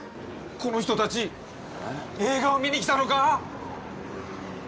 この人たち映画を見に来たのか？